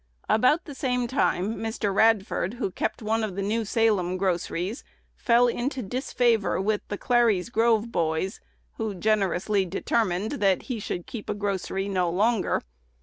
About the same time Mr. Radford, who kept one of the New Salem groceries, fell into disfavor with the "Clary's Grove Boys," who generously determined that he should keep a grocery no longer.